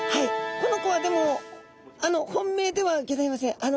この子はでも本命ではギョざいません。